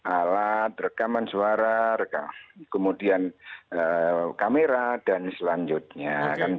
alat rekaman suara kemudian kamera dan selanjutnya